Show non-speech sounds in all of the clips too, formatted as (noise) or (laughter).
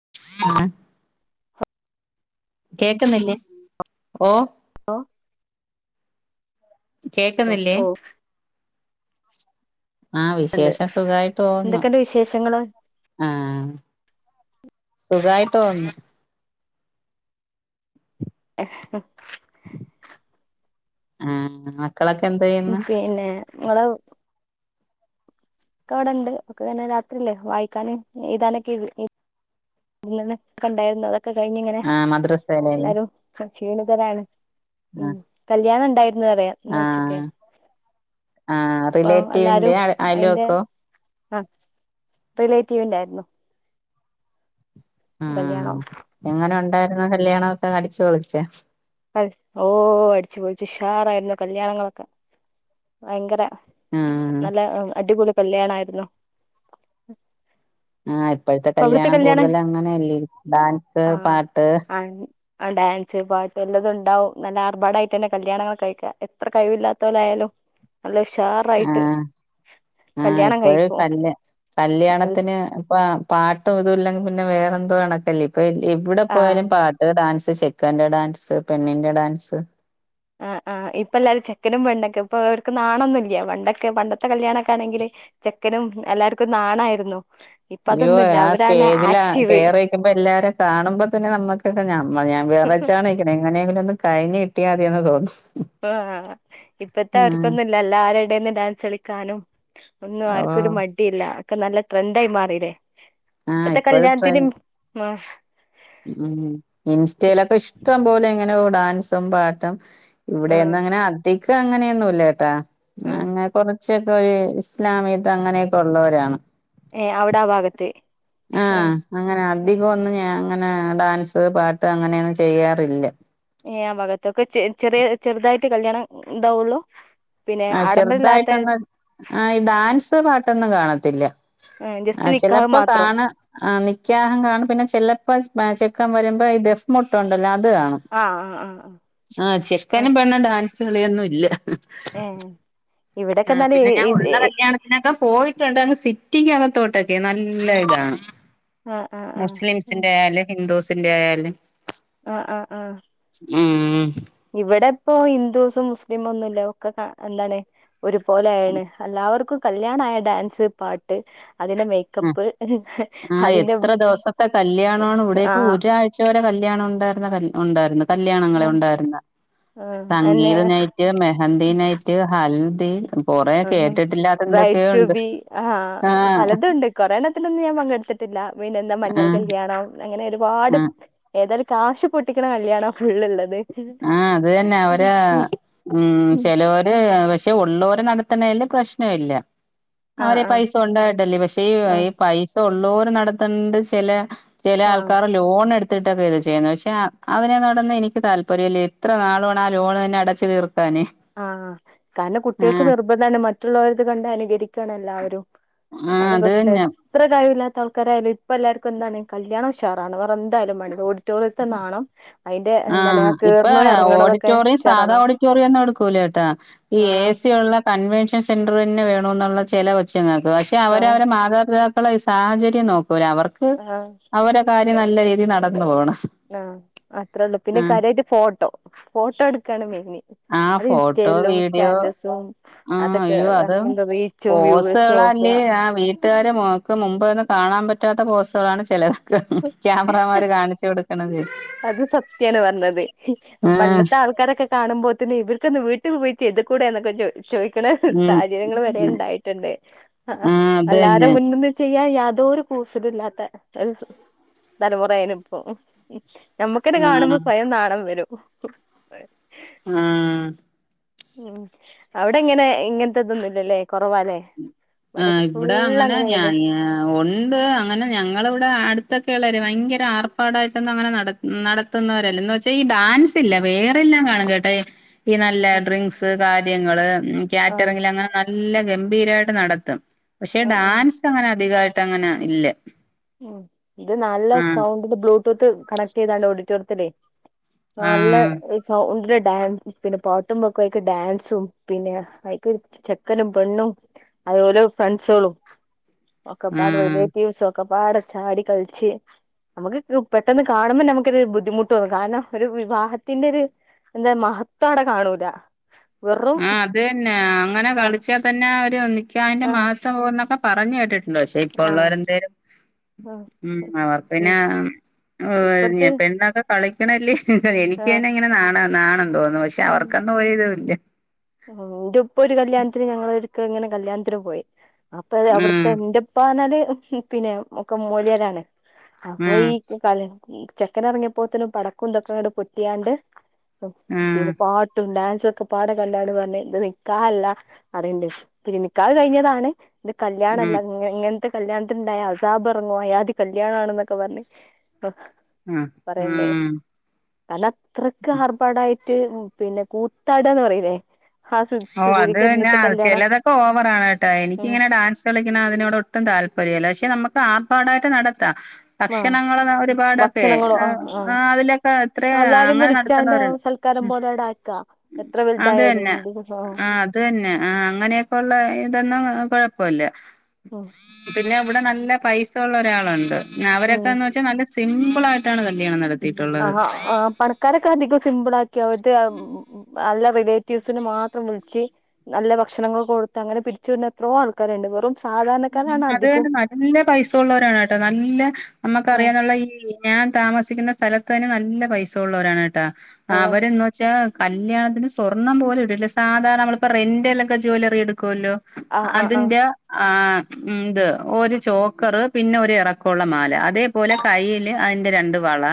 (inaudible) കേക്ക്ന്നില്ലേ ഓ ഒ കേക്ക്ന്നില്ലേ ഓ ആഹ് ഉണ്ട് വിശേഷം സുഖായിട്ട് പോന്ന് എന്തൊക്കെയുണ്ട് വിശേഷങ്ങള് ആഹ് സുഖായിട്ട് പോന്ന് എഹ് ഹ ആഹ് മക്കളൊക്കെ എന്ത് ചെയ്യുന്നു ദുഫെന്നെ ങ്ങളൊ ക്കെവ്ട്ണ്ട് ഓക്ക് പിന്നെ രാത്രിയ്ല്ലേ വായ്ക്കാനും എയ്താനൊക്കെത് ഇല്ലന്നെ കണ്ടായ്ര്ന്ന് അതൊക്കെ കയ്ഞ്ഞ് ങ്ങനെ ആഹ് മദ്രസയിലല്ലേ ല്ലാരും പ്പംക്ഷീണിതരാണ് ഉം ആഹ് കല്ല്യാണോണ്ടാരുന്ന് പറയാ ഇന്നുച്ചക്കെ ആഹ് ആഹ് റിലേറ്റീവിന്റെ പ്പോംല്ലാരും അയിന്റെ അയൽവക്കോ ആഹ് റിലേറ്റ്വ്ന്റാര്ന്നു കല്ല്യാണം എങ്ങനൊണ്ടാരുന്നു കല്ല്യാണൊക്കെ അടിച്ച് പൊളിച്ച ഹോയ് ഹോ അടിച്ച്പൊളിച്ച് ഉഷാറായിരുന്നു കല്ല്യാണങ്ങളൊക്കെ ഭയങ്കര ആഹ് നല്ല അടിപൊളി കല്ല്യാണായിരുന്നു ആഹ് ഇപ്പോഴത്തെ കല്യാണം കൂടുതല് അങ്ങനെയല്ലേ ഡാൻസ്, ആഹ് പാട്ട് ആഹ് ഡാൻസ് പാട്ട് എല്ലതും ഉണ്ടാവും നല്ല ആർഭാടായിട്ടന്നെ കല്യാണങ്ങള് ഒക്കെ കഴിക്കാ എത്ര കൈവില്ലാത്തോലായാലും നല്ല ഉഷാർ ആഹ് ആഹ് ഇപ്പോഴ് കഴിക്കും തല്ല് അത് കല്ല്യാണത്തിന് ഇപ്പം പാട്ടും ഇതും ഇല്ലെങ്കിൽ പിന്നെ വേറെ എന്തോ കണക്കല്ലേ ഇപ്പൊ എൽഎവിടെ ആഹ് പോയാലും പാ ഒര്ഡാൻസ് ചെക്കന്റെ ഡാൻസ് പെണ്ണിന്റെ ഡാൻസ് ആഹ് ആഹ് ഇപ്പ എല്ലാരും ചെക്കനും പെണ്ണൊക്കെ ഇപ്പൊ അവർക്ക് നാണൊന്നുല്യ പണ്ടൊക്കെ പണ്ടത്തെ കല്യാണൊക്കെ ആണെങ്കില് ചെക്കനും എല്ലാര്ക്കും നാണായിരുന്നു ഇപ്പ അയ്യോ അതൊന്നുല്ല ആഹ് അവരാണ് സ്റ്റേജിലാ ആക്റ്റീവ് കേയറിരിക്കുമ്പാെ എല്ലാരും കാണ് മ്പതെന്നെ നമ്മകാെക്കെ നമ്മൾ ഞാൻ വേറെചാണേങ്കിലും നെങ്ങനെയെങ്കിലും ഒന്ന് കഴിഞ്ഞ് കിട്ടിയാതിയെന്ന് തോന്നും ഉം ആഹ് ഇപ്പത്തെവർക്കൊന്നുംല്ല എല്ലാരെടേന്നും ഡാൻസ് കളിക്കാനും ഒന്നും ആർക്കും ഒരു ഓഹ് മടിയില്ല ഒക്കെ നല്ല ട്രെൻഡായി മാറിലേ ആഹ് ഇപ്പത്തെ ഇപ്പഴ് കല്യാൺത്തിന് ട്രെൻ മിസ് മാഷ് ഉം ഇൻസ്റ്റൈലൊക്കെ ഇഷ്ടം പോലങ്ങനെ ഓ ഡാൻസും പാട്ടും ആഹ് ഇവിടെയെന്നും അങ്ങനെ അധികം അങ്ങനെയൊന്നും ഇല്ലാട്ടാ ആഹ് അങ്ങനെ കൊറെ ചൊക് പയേസ്ഇസ്ലാമിയത്ത് അങ്ങനെയൊക്കെ ഉള്ളവരാണ് ഏഹ് അവടെ ആ ഭാഗത്ത് ആ ആഹ് അങ്ങനെ അധികൊന്നും ഞാ അങ്ങനെ ഡാൻസ് പാട്ട് അങ്ങനെയൊന്നും ചെയ്യാറില്ല ഏഹ് ആ ഭാഗത്തൊക്കെ ചെ ചെറിയ ചെറുതായിട്ട് കല്യാണം ഇണ്ടാവാെള്ളൂ പിന്നെ ആഹ് ചെറുതായിട്ടൊന്ന് ആഡംബരല്ലാത്തത് ആഹ് ഈ ഡാൻസ് പാട്ടൊന്നും കാണത്തില്ല ആ ജസ്റ്റ് നിക്കാഹ് ചെലപ്പോ മാത്രം കാണാ ആഹ് നിക്കാഹും കാണും പിന്നെ ചെലപ്പാെസ് മാ ചെക്കൻ വരുമ്പായ് ദെഫ് മുട്ട്ഉണ്ടല്ലോ അത് കാണും ആ ആ ആ ആഹ് ആ ചെക്കനും പെണും ഡാൻസ് കളിയൊന്നുല്യ അഹ് അഹ് ഏഹ് ഇവടെക്കെന്നാല് എ എ എസ് എ എ പിന്നെക്ക പോയിട്ടുണ്ട് അങ്ങ് സിറ്റിക്ക് അകത്തോട്ടെക്കെ നല്ല ഇതാണ് ആ ആ ആ മുസ്ലിംസിന്റെ അല്ലെങ്കി ഹിന്ദൂസിന്റെ അല്ലെങ്കി ആഹ് ആഹ് ആഹ് ഉം ഇവടെപ്പോ ഹിന്ദൂസും മുസ്ലിമൊന്നുല്ല ഒക്കെ ക എല്ലാലെ ഒരുപോലെയായെല്ലെ അല്ലാവർക്കും കല്യാണായ ഡാൻസ് പാട്ട് അതെന്നെ മൈൻ ആഹ് ആഹ് എത്ര ദിവസത്തെ കല്യാണാേണ് ഇവിടെ ആ എക്കെ ഒരായ് ച്ച വെരെ കല്യാണം ഉണ്ടാര്ന്ന കൽ ഉണ്ടായിര്ന്ന് കല്യാണങ്ങളെ ഉണ്ടായിര്ന്ന ആ അന്നെ സംഗീതനൈറ്റ് മെഹന്തിനൈ റ്റ് ഹൽദി കൊറെ വേറെന്താണ് കേട്ടിട്ടില്ലാത്ത എന്തൊക്കെയോ ഉണ്ട് ബ്രൈറ്റുബി ആഹ് ആ പലതുണ്ട് കൊറെ എണ്ണത്തിലൊന്നും ഞാൻ പങ്കെട്ത്തിട്ടില്ല വിന്നെ എന്താ ആ മഞ്ഞൾ കല്യാണം അങ്ങനെ ഒരുപാട് ആ ഏതായാലും കാശ് പൊട്ടിക്ക്ണകല്ലിയാണാ ഫുള്ള് ഇളളത് ആഹ് അത് തന്നെ ഓര് ഉം ചെലോര് ആവശ് ഇത് ഉള്ളോര് നടത്ത്ന്നൈല് പ്രശ്നവില്ല ആഹ് അവരെ ആഹ് പൈസ ഉണ്ടായിട്ടല്ലേ പക്ഷേ ഈ ആഹ് കയ്യിൽ പൈസ ഉള്ളോര് നടത്ത്ൻത് ചെല ചെലെ ആഹ് ആൾക്കാറ് ലോൺ എട്ത്ത്ട്ടെക്കെ ഇത് ചെയ്യുന്നെ പക്ഷെ അ അതിനെങ്ങനോടാെന്നും എനിക്ക് താൽ പര്യല്യ എത്രനാള് വാണം ആലോണ് തന്നെ അടച്ച് തീർക്കാനാന് ആഹ് കാരണം കുട്ടിയോൾക്ക് നിർബന്ധാണ് മറ്റുള്ളോരത് കണ്ട് അനുകരിക്കാണ് എല്ലാവരും ആഹ് അതാണ് അത് പ്രശ്നം തന്നെ എത്ര കഴിവില്ലാത്ത ആൾക്കാരായാലും ഇപ്പൊ എല്ലാർക്കും എന്താണ് കല്യാണം ഉഷാറാണ് വേറെ എ ന്തായാലും മാണ്ടില ഓഡിറ്റോറിയത്ത്ന്ന് ആവണം അതിന്റെ എന്താണ് ആഹ് ആ കേറ്ണതും എറങ്ങ്ണതൊക്കെ ഉഷാറാകണം ചെറിയൊന്നും ഇട്കൂലെ എട്ടാ ഈ എ സി ഉള്ള കൺവെൻഷൻ സെന്ററ്തന്നെ വേണോന്നുള്ള ചെല കൊച്ചങ്ങൾക്ക് പക്ഷെ അവര് ആഹ് അവരെ മാതാപിതാ ക്കളെയ് സാഹചര്യം നോക്കൂല അവർക്ക് ആഹ് അവരെ കാര്യം നല്ല രീതിയിൽ നടന്ന് പോവണം ആഹ് അത്രേയള്ളൂ പിന്നെ കാര്യായിട്ട് ഫോട്ടോ ഫോട്ടോ എടുക്കാണ് മെയ്ന് ആ അത് ഫോട്ടോ ഇൻസ്റ്റയിലും വീഡിയോ സ്റ്റാറ്റസും ആഹ് അതൊക്കെ എന്ത റീച്ചും വ്യൂവേഴ്സും നോക്കുക ല് ആവീ ട്ട് കാരെ മോക്ക് മുമ്പ് വന്ന് കാണാൻ പറ്റാത്ത പോസ്സുകളാണ് ചിലർക്ക് ക്യാമറമാർ കാണിച്ചു കൊടു ക്ണത് അത് സത്യാണ് പറഞ്ഞത് ആഹ് പണ്ടത്തെ ആൾ ക്കാരൊക്കെ കാണുമ്പോത്തിന്ന്ഇവർക്ക് ന്താ വീട്ടി പോയി ചെയ്ത് കൂടെ ന്നൊക്കെ ചോയ് ചോയ്ക്ക്ണ ഉം സാഹചര്യങ്ങൾ വരെണ്ടായിട്ടുണ്ട് ആഹ് അത് അല്ലാരെ തന്നെ മുന്ന്ന്ന് ചെയ്യാൻ യാതോരു കൂസലും ഇല്ലാത്തെ തലമുറേയ്ണ്പ്പം നമ്മുക്കന്നെ കാണുമ്പോ ആഹ് സ്വയം നാണം വെരും ആഹ് ഉം അവിടെങ്ങനെ ഇങ്ങന് ത്തെതൊന്നുല്ലല്ലെ കുറവാലേ ആഹ് ഇവിടെ അങ്ങനെ ഞാന് ആ ഓൽ ഇണ്ട് അങ്ങനെ ഞങ്ങളിവിടെ അടുത്തൊക്കെ ഉള്ളവര് ഭയങ്കര അർഭാടായിട്ട് ക്കെ അങ്ങന നട നടത്തുന്നവരല്ല എന്ന് വെച്ചാ ഈ ഡാൻസ് ഇല്ല വേറെല്ലാം കാണും കേട്ടെ ഈ നല്ല ഉം ഡ്രിങ്ക്സ് കാര്യങ്ങള് ആഹ് കാറ്ററിങ്ങിൽ അങ്ങനെ നല്ല ഗംഭീരായിട്ട് നട ത്തും പക്ഷെ ആഹ് ആഹ് ഡാൻസ് അങ്ങനെ അധികായിട്ട് അങ്ങനെ ഇല്ല ഉം ഇത് നല്ല ആഹ് സൗണ്ട്ൽ ബ്ലൂടൂത്ത് കണക്ട് ചെയ്താണ്ട് ഓഡിറ്റോറിയത്തില് ഹാൾ ള്ള് ആഹ് ഈ സൗണ്ട്ല് ഡാൻ പിന്നെ പാട്ടും വെക്കും അയ്ക്ക് ഡാൻസും പിന്നെ അയ്ക്ക് ചെക്കനും പെണ്ണും അതുപോലെ ഫ്രണ്ട്സോളും ഒക്കെ പാടെ ആഹ് റിലേറ്റീവ്സൊ ഒക്കെ പാടെ ചാടി കൾച്ച് നമുക്ക് രു പെട്ടെന്ന് കാണുമ്പോ നമുക്കൊരു ബുദ്ധിമുട്ട്‌ ഓന്നും കാരണം ഒരു വിവാഹത്തിന്റെ ര് എന്താ മഹത്വം ആടെ കാണൂല വെറും ആഹ് അത് തന്നെ അങ്ങനെ ആഹ് കളിച്ചാ തന്നെ ഒരു നിക്കഹിന്റെ ആഹ് മഹത്വം പോകുന്നൊക്കെ പറഞ്ഞു കേട്ടി ണ്ട് പക്ഷെ ഇപ്പ ആഹ് ള്ളവര് എന്തേലും ആഹ് ഉം അവർക്ക് ഉം പിന്നെ ഏ ഇപ്പടുത്ത് (unintelligible) പെണ്ണെക്കെ കളിക്കണല്ലേ എനിക്ക് ആഹ് തന്നെ ഇങ്ങനെ നാണ നാണം തോന്നും പക്ഷെ അവർക്കന്നും ഒരിതുംല്ല ഇൻ്റെ പ്പ ഒരു കല്യാണത്തിന് ഞങ്ങളൊരിക്കെ ഇങ്ങനെ കല്യാണത്തിന് പോയി അപ്പൊ ഉം അവിടുത്തെ ഇന്റെ പ്പാ റ് നാല് പിന്നെ ഒക്കെ മോലിയാരാണ് അപ്പൊ ഉം ഈ ക (unintelligible) ചെക്കൻ എറങ്ങിയപ്പോത്ത്ന് പടക്കം ഇതൊക്കെ ങ്ങട്ട് പൊട്ടിയാണ്ട് ഉം പിന്നെ പാട്ടും ഡാൻസും ഒക്കെ പാടെ എല്ലാരും പറഞ്ഞ് ഇത് നിക്കാഹല്ല അറിയ്ണ്ട് പി നിക്കാഹ് കഴിഞ്ഞതാണ് ഇത് ഉം കല്യാണല്ല ഇങ്ങനത്തെ കല്യാണത്തിന്ണ്ടായ അസാബ് ഇറങ്ങു അയാതി കല്യാണണെന്നൊക്കെ പറഞ്ഞ് മ് മ് കല അത്രയ്ക്ക് ആർഭാടയിട്ട് പിന്നെ കൂത്താടാന്ന് പറയൂലേ ഓ അത് ഞാ ചെലതൊക്കെ ഓവറാണ് കേട്ടാ ഉം എനിക്കിങ്ങനെ ഡാൻസ് കളിക്ക്ണഅതിനോട് ഒട്ടും താല്പര്യല്ല പക്ഷെ നമ്മക്ക് ആർഭാടായിട്ട് നടത്താ ആ ഭക്ഷണങ്ങൾ ഒരുപാടൊക്കെ ആ ആ അതിലൊക്കെ എത്ര അങ്ങനെ നടത്ത്ണോര്ണ്ട് ക്കാരം പോലെടയാക്ക എത്ര വല്തായാലും തന്നെ (unintelligible) അത് തന്നെ ആഹ് അങ്ങനെയൊക്കെള്ള ഇതൊന്നും കൊഴപ്പല്ല ഓ പിന്നെ ഇവിടെ നല്ല പൈസ ഒള്ള ഒരാളുണ്ട് ഉം അവരൊക്കെന്ന് വെച്ചാൽ നല്ല സിമ്പിളായിട്ടാണ് കല്യാണം നട ആ ഹ് ആ പണ ക്കാരൊക്കെ അധികം സിമ്പിൾ ആക്കി അവത് അല്ല റിലേറ്റീവ്സിന് മാത്രം വിള്ച്ച് നല്ല ഭക്ഷണങ്ങളൊക്കെ കൊടുത്ത് അങ്ങനെ പിരിച്ചു വിടുന്ന എത്രോ ആൾക്കാരുണ്ട് വെറും സാധാരണക്കാരാണ് അത് അധികം തന്നെ നല്ല പൈസ ള്ള ഒരാളാട്ടോ നല്ല നമ്മക്ക് ഉം അറിയാനുള്ള ഈ ഞാൻ താമസിക്കുന്ന സ്ഥലത്ത് തന്നെ നല്ല പൈസ ഉള്ളവരാണ് കേട്ടാ ആ അവര് ന്ന് ചാ കല്യാണത്തിന് സ്വർണം പോലും ഇട്ടിട്ടില്ല സാധാരണ നമ്മളിപ്പോ റെന്റല്ലൊക്കെ ജ്വല്ലറി എടുക്കുല്ലോ ആ ആ ആ അതിന്റെ ആ ഉം ഇത് ഒരു ചോക്കറ് പിന്നെ ഒരു ഇറക്കൊള്ള മാല അതേപോലെ കയ്ൽ അതിന്റെ രണ്ട് വള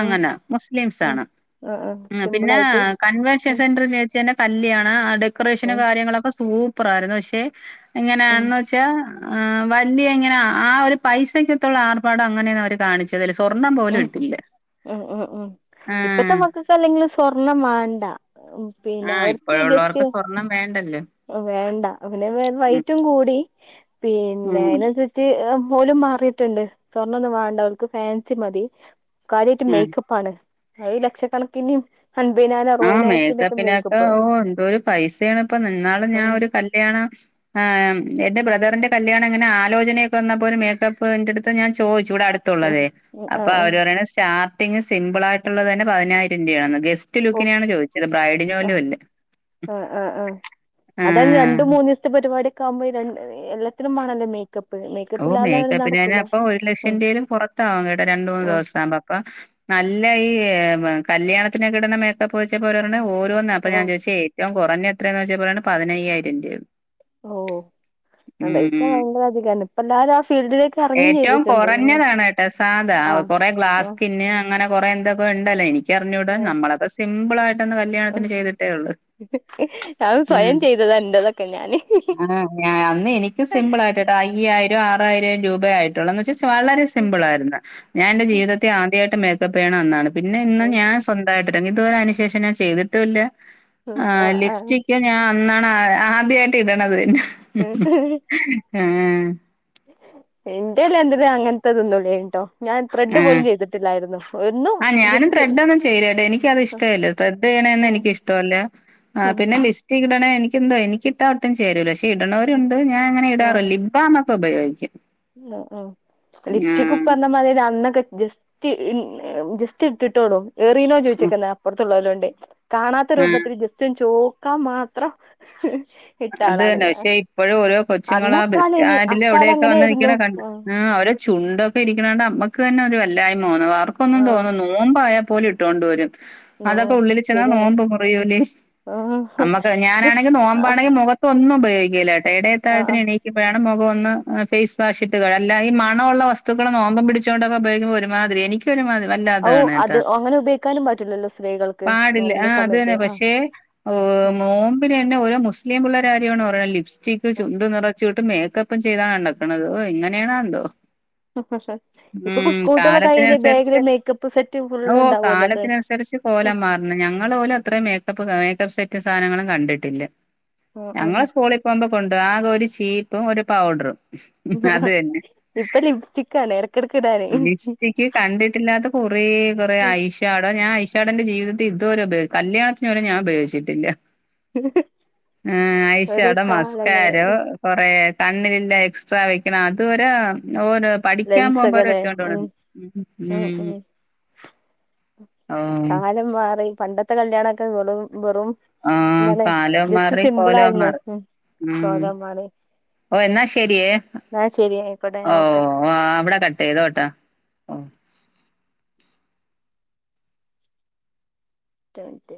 ഉം മുസ്ലിംസ് ഉം ആണ് ആ ആ സിമ്പിൾ പിന്നെ ആയിട്ട് കൺവെൻഷൻ ഉം സെന്ററി ൻ്റെ ചേച്ചിന്നെ കല്ല്യാണ ഡെക്കറേഷനും ഉം കാര്യങ്ങളൊക്കെ സൂപ്പർ ആയിരുന്നു പക്ഷെ ഉം എങ്ങനെയാന്ന് വെച്ചാ ആ വല്ല്യ ഇങ്ങനെ ആ ഒരു പൈസയ്ക്കത്തുള്ള ആർഭാടം അങ്ങനെ അവര് കാണിച്ചില്ല ഏതായാലും സ്വർണ്ണം പോലും ഉം ഇട്ടില്ല ആ ഇപ്പോ അല്ലെങ്കിലും സ്വർണം വേണ്ട പിന്നെ അവർക്ക് ജസ്റ്റ് ണ്ടല്ലേ വേണ്ട പിന്നെ റൈറ്റും കൂടി പിന്നെ ഉം അയ്ന്അൻസരിച്ച് ഓലും മാറിയിട്ട്ണ്ട് സ്വർണ്ണം ഒന്നും വേണ്ട അവർക്ക് ഫാൻസി മതി കാര്യമായിട്ട് ഉം മേക്കപ്പ് പ്പാണ് അത് ലക്ഷക്കണക്കിന്റിം അൻമ്പയ്നാ ആ മേക്കപ്പിനൊക്കെ ഓ എന്തോ ഒരു പൈസയാണ് ഇപ്പം ഇന്നാള് ഞാൻ ഉം ഒരു കല്ല്യാണം ആഹ് എന്റെ ബ്രദറിന്റെ കല്യാണം എങ്ങനെ ആലോചനയൊക്കെ വന്നപ്പോ ഒരു മേക്കപ്പിന്റെടുത്ത് ഞാൻ ചോയ്ച്ചു ഇവിടടു ഉം ത്തുള്ളതേ അപ്പോ ആഹ് ആഹ് അവര് പറയണത് സ്റ്റാർട്ടിങ് സിമ്പിൾ ആയിട്ടുള്ളത് തന്നെ പതിനായിരം രൂപയാണെന്ന് ഗസ്റ്റ് ഓ ലുക്കിനാണ് ചോദിച്ചത് ബ്രൈഡിന് പോലും ആഹ് അല്ല ആഹ് ആഹ് ഇങ്ങനെത്തെ പരിപാടിക്കാകുമ്പോ എല്ലത്തിന്നും മാണല്ലോ മൈക ക്കപ്പ് ഓ മേക്കേപ്പന് തന്നെ അപ്പൊ ഒരു ലക്ഷം രൂപയിലും പുറത്താവും കേട്ടാ രണ്ട് മൂന്ന് ഓഹ് ദിവസം ആകുമ്പം അപ്പം നല്ലയി കല്യാണത്തിന് ഒക്കെ ഇടുന്ന മേക്കപ്പ് ചോയ്ച്ചപ്പോ അവര് പറയണത് ഓരോന്നാ അപ്പൊ ഞാൻ ഓഹ് ചോയ്ച്ച് ഏറ്റവും കുറഞ്ഞത് എത്രയാന്ന് ചോയ്ച്ചപ്പോ പറയാണ് പതിനയ്യായിരം രൂപ ന്ന് ഓ അതാ ഭയങ്കര അധികാണ് ഇപ്പം എല്ലാരും ആ ഫീൽഡിലേക്ക് ഇറങ്ങും ഏറ്റവും ചെയ്തിട്ടുണ്ട് കുറഞ്ഞതാണ് കേട്ടോ സാധാ ആഹ് കുറെ ഗ്ലാസ്സ് സ്കിന് അങ്ങനെ കൊറെ എന്തൊക്കെ ഇണ്ടല്ലോ ഇനി ക്കറിഞ്ഞൂടാ ആഹ് നമ്മളൊക്കെ സിമ്പിൾ ആയിട്ട് ഒന്ന് ആഹ് കല്യാണത്തിന് ചെയ്തിട്ടേ ഒള്ളു ഞാൻ സ്വയം ഉം ചെയ്തതാ എന്റെതൊക്കെ ഞാന് ആ ഞ അന്ന് എനിക്കും സിമ്പിൾ ആയിട്ടാട്ടോ അയ്യായിരം ആറായിരം രൂപയായിട്ടുള്ളന്ന് വെച്ച വളരെ സിമ്പിൾ ആരുന്നു ഞാൻ എന്റെ ജീവിതത്തിൽ ആദ്യമായിട്ട് മേക്കപ്പ് ചെയ്യണത് അന്നാണ് പിന്നെ ഇന്ന് ഞാൻ സ്വന്തമായിട്ടിറങ്ങി ഇതുവരെ അതിനു ശേഷം ചെയ്തിട്ടുമില്ല ആഹ് ലിപ്സ്റ്റിക്ക് ഞാൻ അന്നാണ് ആദ്യായിട്ട് ഇടണത് പിന്നെ ആഹ് ഇന്റെ കല്യാണത്തിനും അങ്ങനത്തെതൊന്നുല്ലേനിട്ടോ ഞാൻ ത്രെഡ് ആഹ് പോലും ചെയ്തിട്ടില്ലായിരുന്നു എന്നും ആ ഞാനും ജസ്റ്റ് ത്രെഡൊന്നും ചെയ്യില്ലേട്ടോ. എനിക്കത് ഇഷ്ടല്ല. ത്രെഡ് ചെയ്യണതൊന്നും എനിക്കിഷ്ടമല്ല ആ പിന്നെ ലിപ് ലീപ്സ്റ്റിക്ക് ഇടണേ എനിക്കെന്തോ എനിക്കിട്ടാ ഒട്ടും ചേരുല്ല പക്ഷെ ഇടണവരുണ്ട് ഞാൻ അങ്ങനെ ഇടാറില്ല ലിപ്ബാം ഒക്കെ ഇപ്പം ഉപയോഗിക്കും ഉം ഉം ആ ലിപ്സ്റ്റിക് ഇപ്പറഞ്ഞ മാതിരി അന്നൊക്കെ ജസ് ജസ്റ്റ് ജസ്റ്റ് ഇട്ടിട്ടോളൂ ഏറീണോ ഉം ചോയ്ച്ചക്ക അപ്പറത്തുള്ളരോണ്ട് കാണാത്ത ആ രൂപത്തിൽ ജസ്റ്റ് ഒന്ന് ചോക്കാൻ മാത്രം ഇട്ട അത് ആളാണ് തന്നെ ഞാൻ പക്ഷെ ഇപ്പോഴും ഓരോ കൊച്ചുങ്ങള് അന്ന് ആ ബസ് അക്കാലം ഇനി സ്റ്റാൻഡില് അക്കാലം എവിടെയൊക്കെ വന്ന് നിക്കണ അങ്ങനെയായിരുന്നു കണ്ട് ആ ഓരോ ചുണ്ടൊക്കെ ഇരിക്കണ കണ്ടാ നമ്മുക്ക് തന്നെ ഒരു വല്ലായ്മ തോന്നും അവർക്കൊന്നും ആ തോന്നുന്നു നോമ്പായാൽപോലും ഇട്ടോണ്ട് വരും നോ അതൊക്കെ ഉള്ളില് ചെന്നാൽ ശരിയാണ് നോമ്പ് മുറിയൂലേ ആ നമ്മക്ക് ഞാനാണെങ്കി നോമ്പാ ആ മുഖത്തൊന്നും ഉപയോഗിക്കില്ല കേട്ടോ ആ ഇടയത്തഴത്തിന് എണീ ഇപ്പഴാണ് മുഖം ഒന്ന് ഫേസ് വാഷിട്ട് കഴുക അല്ല ഈ മണുമുള്ള വസ്തുക്കൾ നോമ്പും പിടിച്ചുകൊണ്ട് ഉപയോഗിക്കുമ്പോൾ ഒരുമാതിരി എനിക്ക് ഇത് ഒരുമാതിരി വല്ലാതെ ഔ അത് ആണ്‌ട്ടാ അങ്ങനെ ഉപയോഗിക്കാനും പറ്റില്ലല്ലോ സ്ത്രീകൾക്ക് പാടില്ല ആ നോമ്പിന്റെ അത് സമയത്ത് തന്നെ ആ പക്ഷേ ഓഹ് ആ നോമ്പിന് തന്നെ ഓരോ മുസ്ലിം പിള്ളേരുടെ കാര്യമാണ് പറയുന്നത് ലിപ്സ്റ്റിക് ചുണ്ട് നിറച്ച് ട്ട് മേക്കപ്പും ചെയ്താണ് നിൽക്കണത് ഓ എങ്ങനെയാണോ എന്തോ ഇപ്പൊ ഉം സ്കൂട്ടികളെ കയ്യില് കാലത്തിനനുസരിച്ച് ബാഗില് മേക്കപ്പ് സെറ്റ് ഓ ഫുള്ള് ഉണ്ടാവുമല്ലോ ഒക്കെ കാലത്തിനനുസരിച്ച് കോലം മാറണം ഞങ്ങള് പോലും അത്രയും മേക്കപ്പ് മേക്കപ്പ് സെറ്റ് സാധനങ്ങളും കണ്ടിട്ടില്ല ആ ആ ഞങ്ങളെ സ്കൂളി പോകുമ്പോ കൊണ്ടോവ ആകെ ഒരു ചീപ്പും ഒരു പൗഡറും അത് യെന്നെ ഇപ്പൊ ലിപ്സ്റ്റിക്കാണ് ഇടക്കിടക്ക് ഇടാനേ ലിപ്സ്റ്റിക്ക് കണ്ടിട്ടില്ലാത്ത കൊറേ കൊറെ ഐഷാഡോ ഞാ ഐശ് ഡോ ഇന്റെ ജീവിതത്തി ഇതുവരെ ഞാൻ ഉപയോഗി കല്യാണത്തിന് പോലും ഞാ ഉപയോഗിച്ചിട്ടില്ല ഏഹ് ഓരോ ഐഷാഡൊ, കാലങ്ങള് മസ്ക്കാരൊ കൊറേ കണ്ണിലില്ലേ എക്സ്ട്രാ വെക്ക്ണ അത് വരെ ഓരോ പഠിക്കാ പോകുമ്പോ വരെ ലെൻസൊക്കെല്ലേ വെച്ചോണ്ട് ഉം പോണുണ്ട് ഉം ഓ കാലം മാറി പണ്ടത്തെ കല്യാണൊക്കെ വെറും വെറും ആ എന്താണ് കാലം ജസ്റ്റ് മാറി സിമ്പിൾ കോലം ആയിരുന്നു മാറി ഉം ഉം കോലോം മാറി ഓ എന്നാ ശരിയേ ആഹ് ശരി അയ്ക്കോട്ടെ ഓ ഞാൻ വെക്ക അവിടെ കട്ടയ്തോട്ടേ ഓ ഒറ്റ മിൻറ്റെ